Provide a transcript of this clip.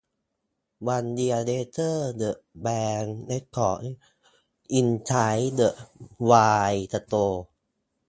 One year later the band recorded "Inside the Why Store".